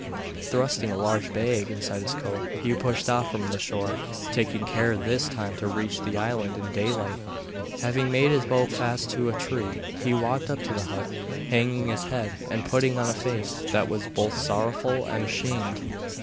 Thrusting a large bag inside his coat, he pushed off from the shore, taking care this time to reach the island in daylight. Having made his boat fast to a tree, he walked up to the hut, hanging his head, and putting on a face that was both sorrowful and ashamed.